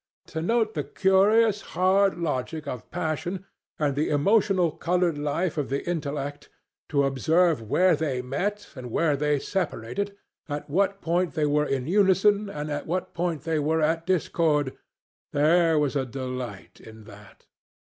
To note the curious hard logic of passion, and the emotional coloured life of the intellect—to observe where they met, and where they separated, at what point they were in unison, and at what point they were at discord—there was a delight in that!